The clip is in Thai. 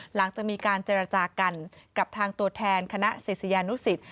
หลังจากมีการเจรจากันกับทางตัวแทนคณะศิษยานุสิต